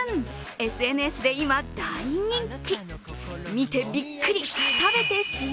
ＳＮＳで今、大人気。